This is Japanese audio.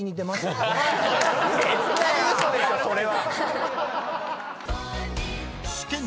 絶対嘘でしょそれは！